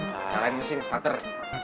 kalian mesin starter